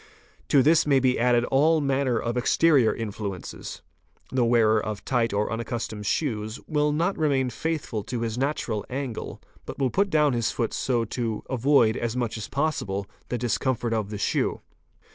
'T'o this may be added all manner of exterior influences: the wearer of tight or unaccustomed shoes, will not remain faithful to his natural angle, but will put down his foot so to avoid as much as possible the discomfort of the shoe.